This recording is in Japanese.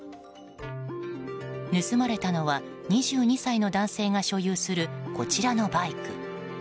盗まれたのは２２歳の男性が所有するこちらのバイク。